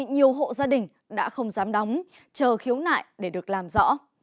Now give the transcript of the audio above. nhiều hộ gia đình đã không dám đóng chờ khiếu nại để được làm rõ